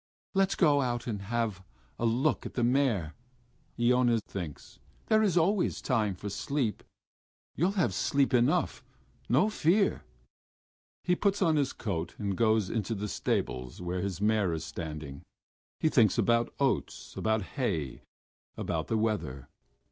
"Let's go out and have a look at the mare," Iona thinks. "There is always time for sleep.... You'll have sleep enough, no fear...." He puts on his coat and goes into the stables where his mare is standing. He thinks about oats, about hay, about the weather....